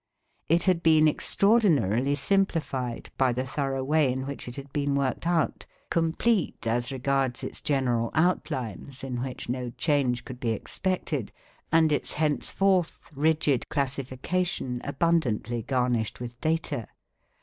It had been extraordinarily simplified by the thorough way in which it had been worked out, complete as regards its general outlines, in which no change could be expected, and its henceforth rigid classification abundantly garnished with data.